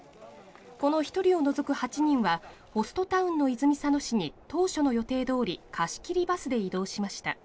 この１人を除く８人はホストタウンの泉佐野市に当初の予定通り貸し切りバスで移動しました。